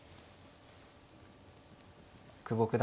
久保九段